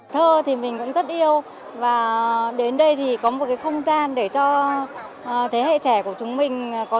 thơ thì mình cũng rất yêu và đến đây thì có một cái không gian để cho thế hệ trẻ của chúng mình có